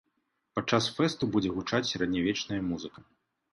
Падчас фэсту будзе гучаць сярэднявечная музыка.